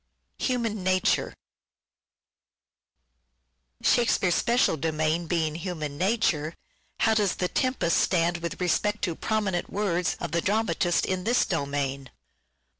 Human Shakespeare's special domain being human nature, how does " The Tempest " stand with respect to promin ent words of the dramatist in this domain